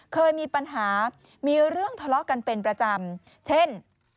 เคยมีปัญหามีเรื่องทะเลาะกันเป็นประจำเช่น